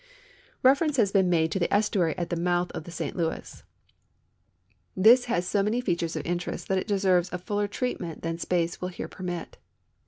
Reference has been made to the estuary at the mouth of the St Louis. This has so many features of interest that it deserves a fuller treatment than space will here i)ermit.